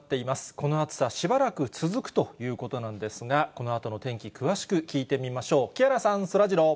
この暑さ、しばらく続くということなんですが、このあとの天気、詳しく聞いてみましょう。